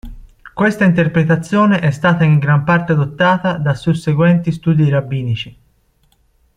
Questa interpretazione è stata in gran parte adottata da susseguenti studi rabbinici.